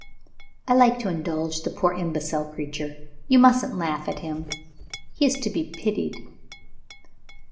I like to indulge the poor imbecile creature. You mustn't laugh at him he is to be pitied."